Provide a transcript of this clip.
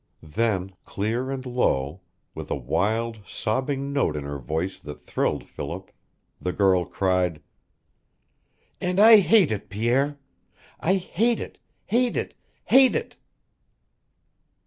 Then, clear and low, with a wild, sobbing note in her voice that thrilled Philip, the girl cried: "And I hate it, Pierre. I hate it hate it hate it!"